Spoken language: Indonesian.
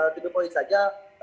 tidak boleh saja